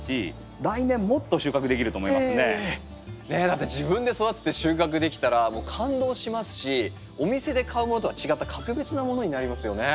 だって自分で育てて収穫できたらもう感動しますしお店で買うものとは違った格別なものになりますよね。